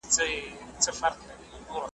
د ریشتیا پر میدان ټوله دروغجن یو .